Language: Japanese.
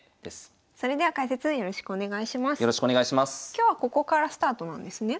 今日はここからスタートなんですね。